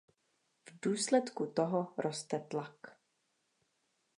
V důsledku toho roste tlak.